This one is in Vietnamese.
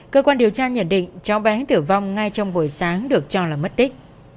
cơ quan điều tra nhận định cháu bé tử vong ngay trong buổi sáng được cho là mất tích